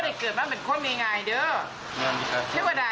เทวดายเกิดมาแล้วนี่ยังที่เขามาหาเราจะเป็นวงบี่วงบอะดี